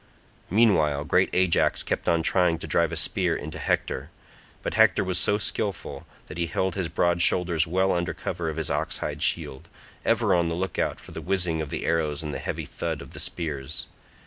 Meanwhile great Ajax kept on trying to drive a spear into Hector, but Hector was so skilful that he held his broad shoulders well under cover of his ox hide shield, ever on the look out for the whizzing of the arrows and the heavy thud of the spears.